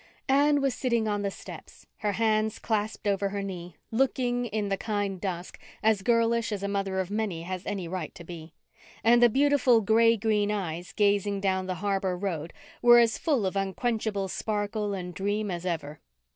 Anne was sitting on the steps, her hands clasped over her knee, looking, in the kind dusk, as girlish as a mother of many has any right to be; and the beautiful gray green eyes, gazing down the harbour road, were as full of unquenchable sparkle and dream as ever.